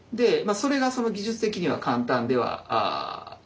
それが技術的には簡単ではないので。